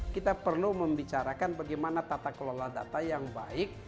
kita perlu membicarakan bagaimana tata kelola data yang baik